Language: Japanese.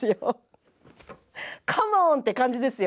カモーンって感じですよ